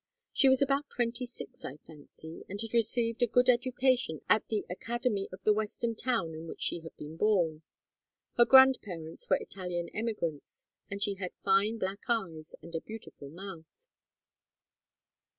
She was about twenty six, I fancy, and had received a good education at the academy of the Western town in which she had been born. Her grandparents were Italian emigrants, and she had fine black eyes and a beautiful mouth.